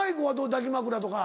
抱き枕とか。